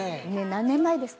何年前ですか？